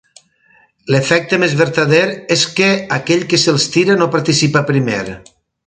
L'efecte més vertader és que aquell que se'ls tira no participa primer.